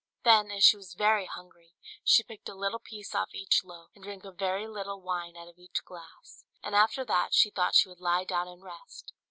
Then, as she was very hungry, she picked a little piece off each loaf, and drank a very little wine out of each glass; and after that she thought she would lie down and rest.